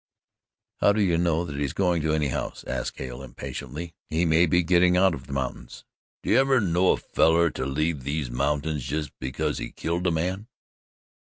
"How do you know that he's going to any house?" asked Hale impatiently. "He may be getting out of the mountains." "D'you ever know a feller to leave these mountains jus' because he'd killed a man?